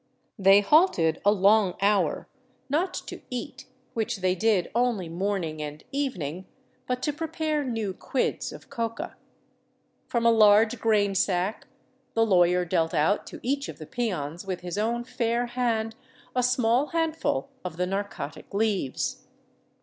They halted a long hour, not to eat, which they did only morning and evening, but to prepare new quids of coca. From a large grain sack the lawyer dealt out to each of the peons with his own fair hand a small handful of the narcotic leaves.